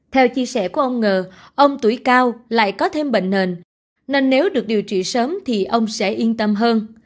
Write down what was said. theo chia sẻ của ông ngờ ông tuổi cao lại có thêm bệnh nền nên nếu được điều trị sớm thì ông sẽ yên tâm hơn